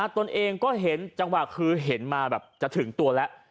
ตนเองก็เห็นจังหวะคือเห็นมาแบบจะถึงตัวแล้ว